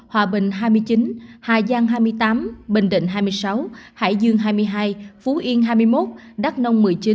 hòa bình hai mươi chín hà giang hai mươi tám bình định hai mươi sáu hải dương hai mươi hai phú yên hai mươi một đắk nông một mươi chín